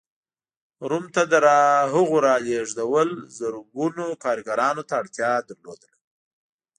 روم ته د هغو رالېږدول زرګونو کارګرانو ته اړتیا لرله.